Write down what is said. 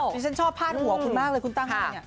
นี่ฉันชอบพาดหัวของคุณมากเลยคุณตั้งให้ไง